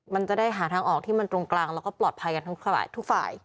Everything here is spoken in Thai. มันจะได้หาทางออกที่มันตรงกลางแล้วก็ปลอดภัยกันทั้งทุกฝ่าย